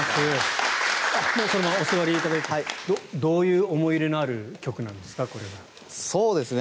そのままお座りいただいてどういう思い入れのある曲なんですか、これは。